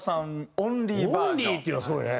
オンリーっていうのがすごいね。